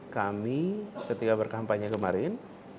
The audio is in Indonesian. kami ketika berkampanye kemarin